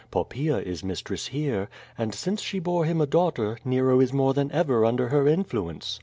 Poppaea is mistress here, and since she bore him a daughter, Nero is more than ever under her influence.